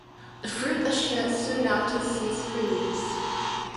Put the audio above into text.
The fruit are shed soon after the seeds are released.